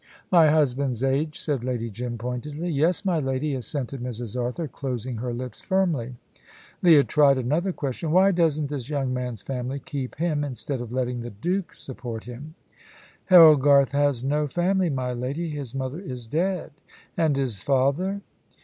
"My husband's age," said Lady Jim, pointedly. "Yes, my lady," assented Mrs. Arthur, closing her lips firmly. Leah tried another question. "Why doesn't this young man's family keep him instead of letting the Duke support him?" "Harold Garth has no family, my lady. His mother is dead." "And his father?"